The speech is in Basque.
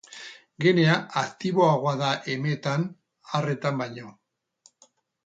Genea aktiboagoa da emeetan arretan baino.